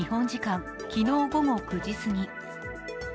時間昨日午後９時すぎ。